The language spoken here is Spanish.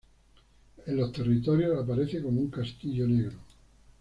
En los Territorios aparece como un castillo negro.